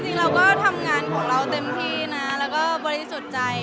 จริงเราก็ทำงานของเราเต็มที่นะแล้วก็บริสุทธิ์ใจ